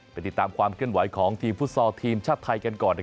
ไปติดตามความเคลื่อนไหวของทีมฟุตซอลทีมชาติไทยกันก่อน